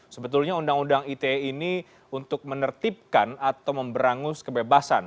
sebetulnya undang undang ite ini untuk menertibkan atau memberangus kebebasan